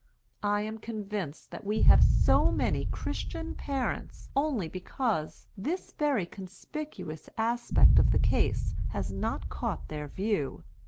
I am convinced that we have so many Christian parents only because this very conspicuous aspect of the case has not caught their view.